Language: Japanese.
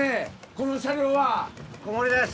この車両は小森です